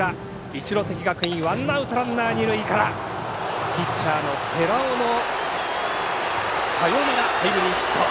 一関学院ワンアウトランナー、二塁からピッチャーの寺尾のサヨナラタイムリーヒット！